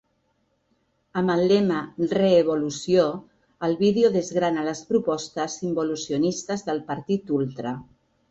Amb el lema ‘ReEvolució’, el vídeo desgrana les propostes involucionistes del partit ultra.